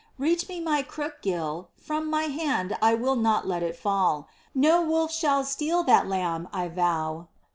— Reach me my crook, Gil — from my hand I will not let it fall : No wolf shall steal that Lamb, I vow